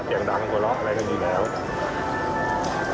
เสียงดังกว่าร้องอะไรก็อยู่แล้ว